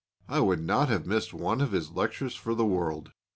I would not have missed one of his lectures for the world.